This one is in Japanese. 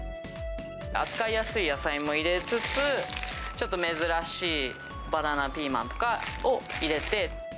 扱いやすい野菜も入れつつ、ちょっと珍しいバナナピーマンとかを入れて。